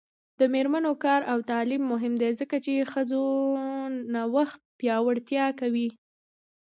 د میرمنو کار او تعلیم مهم دی ځکه چې ښځو نوښت پیاوړتیا کوي.